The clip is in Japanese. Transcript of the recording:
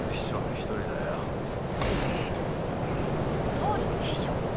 総理の秘書？